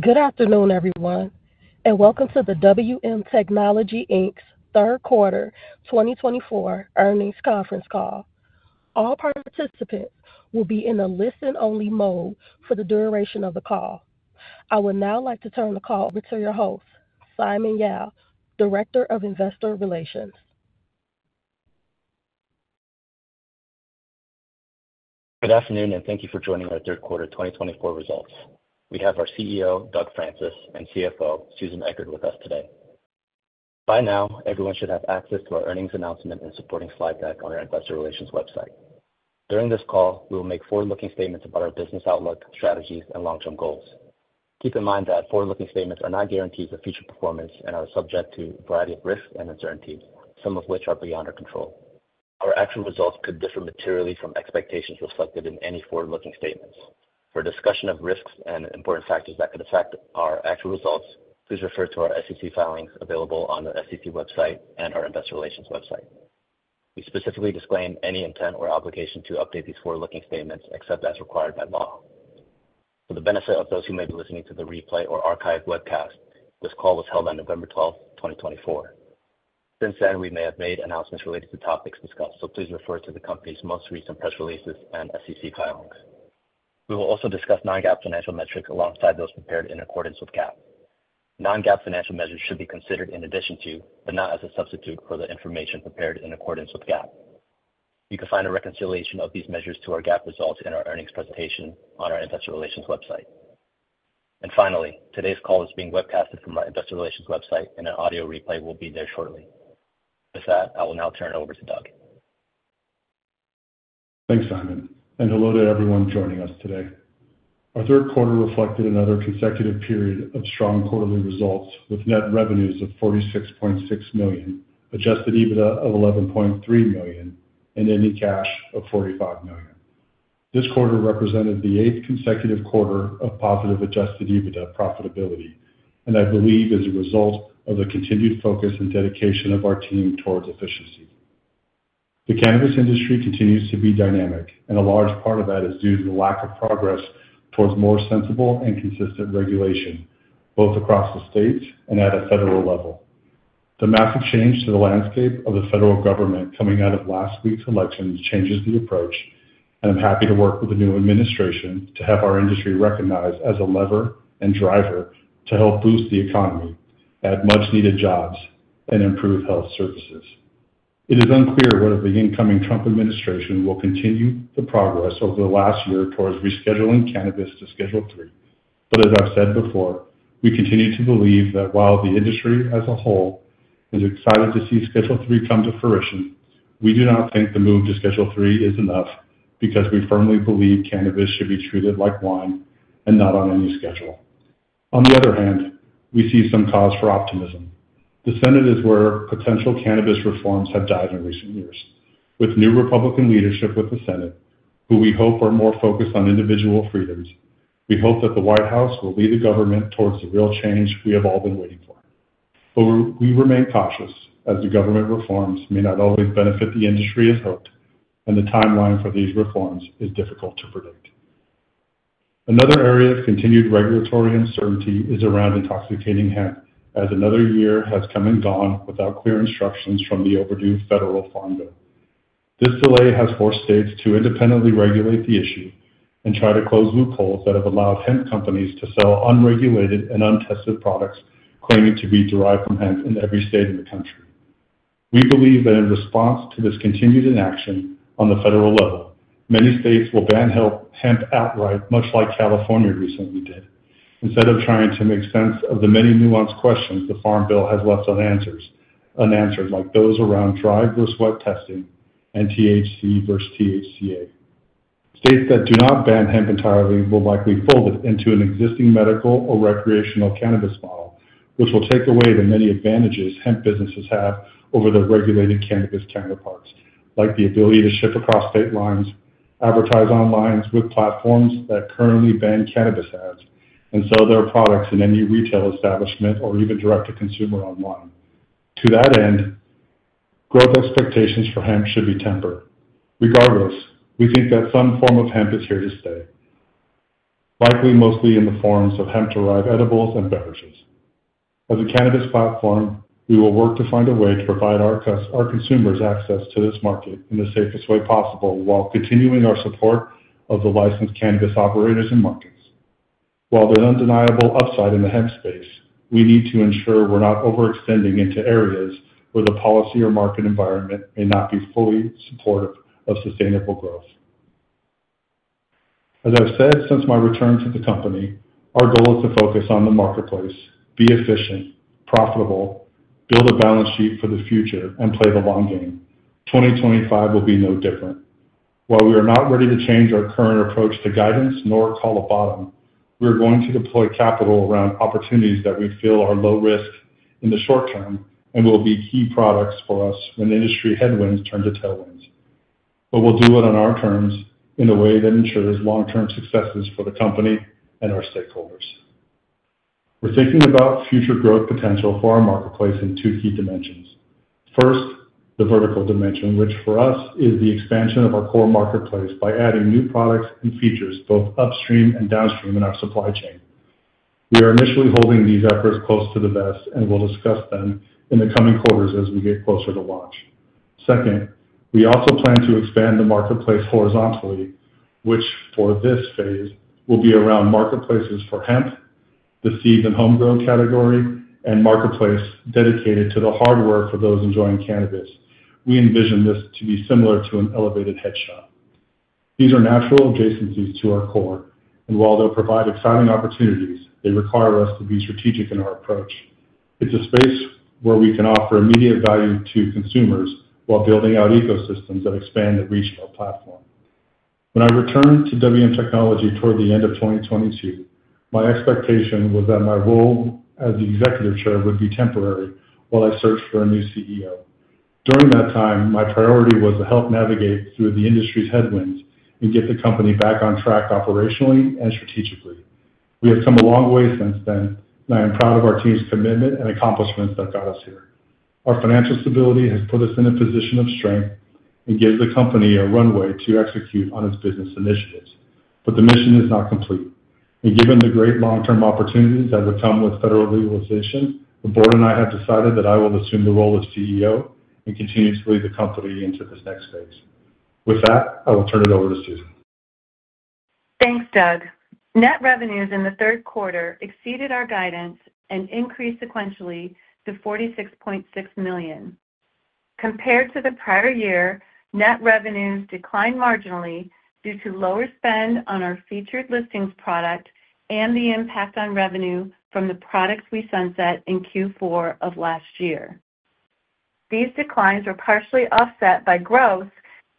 Good afternoon, everyone, and welcome to the WM Technology, Inc.'s Third Quarter 2024 Earnings Conference Call. All participants will be in a listen-only mode for the duration of the call. I would now like to turn the call over to your host, Simon Yao, Director of Investor Relations. Good afternoon, and thank you for joining our Third Quarter 2024 results. We have our CEO, Doug Francis, and CFO, Susan Echard, with us today. By now, everyone should have access to our earnings announcement and supporting slide deck on our Investor Relations website. During this call, we will make forward-looking statements about our business outlook, strategies, and long-term goals. Keep in mind that forward-looking statements are not guarantees of future performance and are subject to a variety of risks and uncertainties, some of which are beyond our control. Our actual results could differ materially from expectations reflected in any forward-looking statements. For discussion of risks and important factors that could affect our actual results, please refer to our SEC filings available on the SEC website and our Investor Relations website. We specifically disclaim any intent or obligation to update these forward-looking statements except as required by law. For the benefit of those who may be listening to the replay or archive webcast, this call was held on November 12, 2024. Since then, we may have made announcements related to topics discussed, so please refer to the company's most recent press releases and SEC filings. We will also discuss non-GAAP financial metrics alongside those prepared in accordance with GAAP. Non-GAAP financial measures should be considered in addition to, but not as a substitute for the information prepared in accordance with GAAP. You can find a reconciliation of these measures to our GAAP results in our earnings presentation on our Investor Relations website. And finally, today's call is being webcast from our Investor Relations website, and an audio replay will be there shortly. With that, I will now turn it over to Doug. Thanks, Simon, and hello to everyone joining us today. Our third quarter reflected another consecutive period of strong quarterly results with net revenues of $46.6 million, Adjusted EBITDA of $11.3 million, and net cash of $45 million. This quarter represented the eighth consecutive quarter of positive Adjusted EBITDA profitability, and I believe is a result of the continued focus and dedication of our team towards efficiency. The cannabis industry continues to be dynamic, and a large part of that is due to the lack of progress towards more sensible and consistent regulation, both across the states and at a federal level. The massive change to the landscape of the federal government coming out of last week's elections changes the approach, and I'm happy to work with the new administration to have our industry recognized as a lever and driver to help boost the economy, add much-needed jobs, and improve health services. It is unclear whether the incoming Trump administration will continue the progress over the last year towards rescheduling cannabis to Schedule III. But as I've said before, we continue to believe that while the industry as a whole is excited to see Schedule III come to fruition, we do not think the move to Schedule III is enough because we firmly believe cannabis should be treated like wine and not on any schedule. On the other hand, we see some cause for optimism. The Senate is where potential cannabis reforms have died in recent years. With new Republican leadership with the Senate, who we hope are more focused on individual freedoms, we hope that the White House will lead the government towards the real change we have all been waiting for. But we remain cautious as the government reforms may not always benefit the industry as hoped, and the timeline for these reforms is difficult to predict. Another area of continued regulatory uncertainty is around intoxicating hemp, as another year has come and gone without clear instructions from the overdue federal Farm Bill. This delay has forced states to independently regulate the issue and try to close loopholes that have allowed hemp companies to sell unregulated and untested products claiming to be derived from hemp in every state in the country. We believe that in response to this continued inaction on the federal level, many states will ban hemp outright, much like California recently did, instead of trying to make sense of the many nuanced questions the Farm Bill has left unanswered, like those around dry versus wet testing and THC versus THCA. States that do not ban hemp entirely will likely fold it into an existing medical or recreational cannabis model, which will take away the many advantages hemp businesses have over their regulated cannabis counterparts, like the ability to ship across state lines, advertise online with platforms that currently ban cannabis ads, and sell their products in any retail establishment or even direct-to-consumer online. To that end, growth expectations for hemp should be tempered. Regardless, we think that some form of hemp is here to stay, likely mostly in the forms of hemp-derived edibles and beverages. As a cannabis platform, we will work to find a way to provide our consumers access to this market in the safest way possible while continuing our support of the licensed cannabis operators and markets. While there's undeniable upside in the hemp space, we need to ensure we're not overextending into areas where the policy or market environment may not be fully supportive of sustainable growth. As I've said, since my return to the company, our goal is to focus on the marketplace, be efficient, profitable, build a balance sheet for the future, and play the long game. 2025 will be no different. While we are not ready to change our current approach to guidance nor call a bottom, we are going to deploy capital around opportunities that we feel are low-risk in the short term and will be key products for us when industry headwinds turn to tailwinds. But we'll do it on our terms in a way that ensures long-term successes for the company and our stakeholders. We're thinking about future growth potential for our marketplace in two key dimensions. First, the vertical dimension, which for us is the expansion of our core marketplace by adding new products and features both upstream and downstream in our supply chain. We are initially holding these efforts close to the vest and will discuss them in the coming quarters as we get closer to launch. Second, we also plan to expand the marketplace horizontally, which for this phase will be around marketplaces for hemp, the seed and homegrown category, and marketplace dedicated to the hardware for those enjoying cannabis. We envision this to be similar to an elevated head shop. These are natural adjacencies to our core, and while they'll provide exciting opportunities, they require us to be strategic in our approach. It's a space where we can offer immediate value to consumers while building out ecosystems that expand the reach of our platform. When I returned to WM Technology toward the end of 2022, my expectation was that my role as the executive chair would be temporary while I searched for a new CEO. During that time, my priority was to help navigate through the industry's headwinds and get the company back on track operationally and strategically. We have come a long way since then, and I am proud of our team's commitment and accomplishments that got us here. Our financial stability has put us in a position of strength and gives the company a runway to execute on its business initiatives. But the mission is not complete. Given the great long-term opportunities that would come with federal legalization, the board and I have decided that I will assume the role of CEO and continue to lead the company into this next phase. With that, I will turn it over to Susan. Thanks, Doug. Net revenues in the third quarter exceeded our guidance and increased sequentially to $46.6 million. Compared to the prior year, net revenues declined marginally due to lower spend on our Featured Listings product and the impact on revenue from the products we sunset in Q4 of last year. These declines were partially offset by growth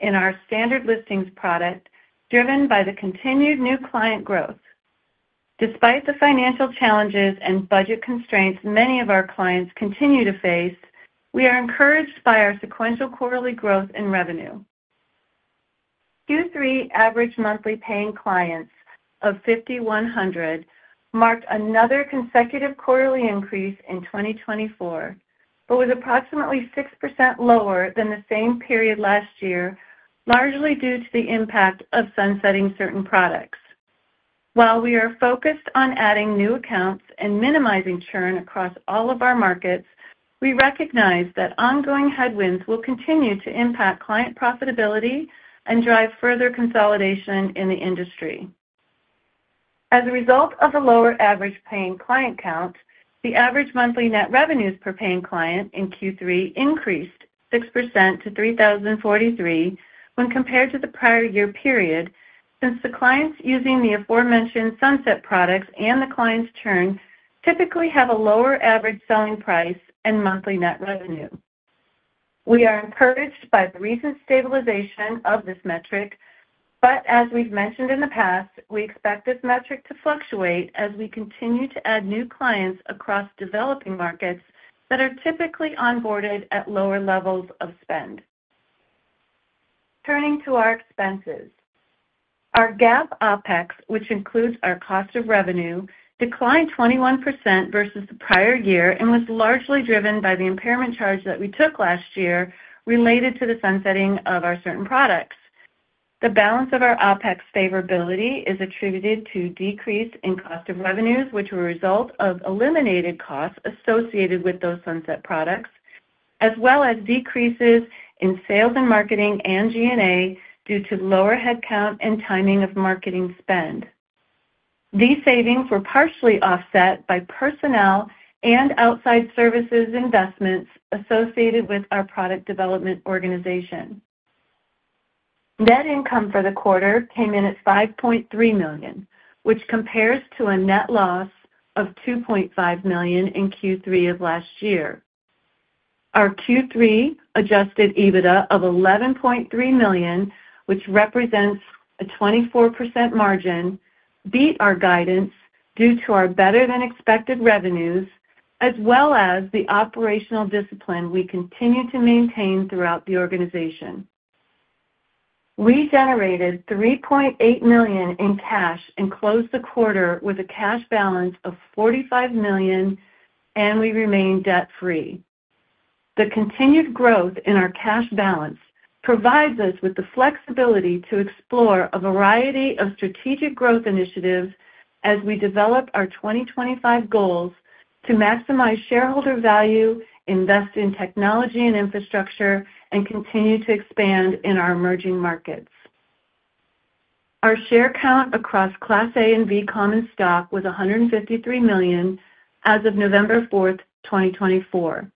in our Standard Listings product, driven by the continued new client growth. Despite the financial challenges and budget constraints many of our clients continue to face, we are encouraged by our sequential quarterly growth in revenue. Q3 average monthly paying clients of 5,100 marked another consecutive quarterly increase in 2024, but was approximately 6% lower than the same period last year, largely due to the impact of sunsetting certain products. While we are focused on adding new accounts and minimizing churn across all of our markets, we recognize that ongoing headwinds will continue to impact client profitability and drive further consolidation in the industry. As a result of the lower average paying client count, the average monthly net revenues per paying client in Q3 increased 6% to $3,043 when compared to the prior year period, since the clients using the aforementioned sunset products and the clients' churn typically have a lower average selling price and monthly net revenue. We are encouraged by the recent stabilization of this metric, but as we've mentioned in the past, we expect this metric to fluctuate as we continue to add new clients across developing markets that are typically onboarded at lower levels of spend. Turning to our expenses, our GAAP OPEX, which includes our cost of revenue, declined 21% versus the prior year and was largely driven by the impairment charge that we took last year related to the sunsetting of our certain products. The balance of our OPEX favorability is attributed to decrease in cost of revenues, which were a result of eliminated costs associated with those sunset products, as well as decreases in sales and marketing and G&A due to lower headcount and timing of marketing spend. These savings were partially offset by personnel and outside services investments associated with our product development organization. Net income for the quarter came in at $5.3 million, which compares to a net loss of $2.5 million in Q3 of last year. Our Q3 Adjusted EBITDA of $11.3 million, which represents a 24% margin, beat our guidance due to our better-than-expected revenues, as well as the operational discipline we continue to maintain throughout the organization. We generated $3.8 million in cash and closed the quarter with a cash balance of $45 million, and we remain debt-free. The continued growth in our cash balance provides us with the flexibility to explore a variety of strategic growth initiatives as we develop our 2025 goals to maximize shareholder value, invest in technology and infrastructure, and continue to expand in our emerging markets. Our share count across Class A and V Common Stock was 153 million as of November 4, 2024.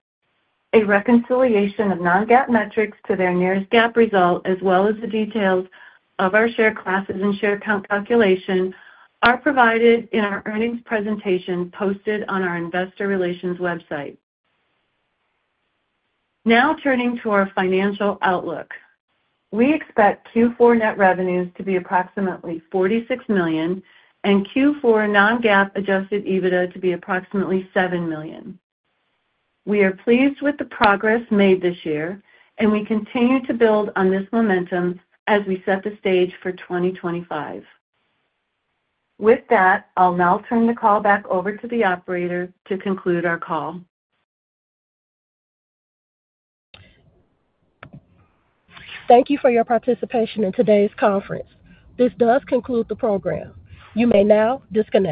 A reconciliation of non-GAAP metrics to their nearest GAAP result, as well as the details of our share classes and share count calculation, are provided in our earnings presentation posted on our Investor Relations website. Now turning to our financial outlook, we expect Q4 net revenues to be approximately $46 million and Q4 non-GAAP Adjusted EBITDA to be approximately $7 million. We are pleased with the progress made this year, and we continue to build on this momentum as we set the stage for 2025. With that, I'll now turn the call back over to the operator to conclude our call. Thank you for your participation in today's conference. This does conclude the program. You may now disconnect.